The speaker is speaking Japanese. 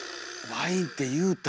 ワインって言うた。